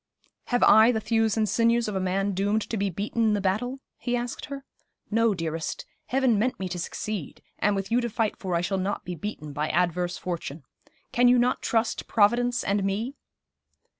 'Have I the thews and sinews of a man doomed to be beaten in the battle?' he asked her. 'No, dearest; Heaven meant me to succeed; and with you to fight for I shall not be beaten by adverse fortune. Can you not trust Providence and me?'